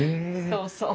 そうそう。